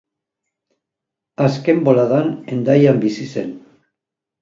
Azken boladan, Hendaian bizi zen.